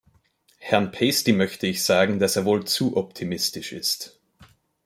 Herrn Pasty möchte ich sagen, dass er wohl zu optimistisch ist.